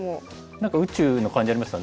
何か宇宙の感じありますよね。